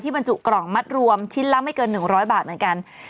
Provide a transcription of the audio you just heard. บรรจุกล่องมัดรวมชิ้นละไม่เกิน๑๐๐บาทเหมือนกัน